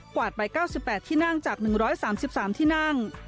วาดไป๙๘ที่นั่งจาก๑๓๓ที่นั่ง